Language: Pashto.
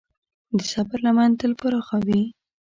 د صبر لمن تل پراخه وي.